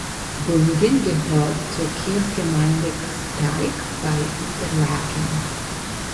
Bönigen gehört zur Kirchgemeinde Gsteig bei Interlaken.